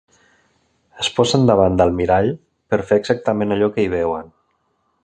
Es posen davant del mirall per fer exactament allò que hi veuen.